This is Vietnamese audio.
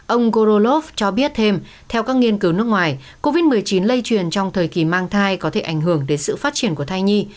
ông gorolov cho biết thêm theo các nghiên cứu nước ngoài covid một mươi chín lây truyền trong thời kỳ mang thai có thể ảnh hưởng đến sự phát triển của thai nhi